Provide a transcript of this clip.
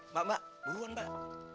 mbak mbak buruan mbak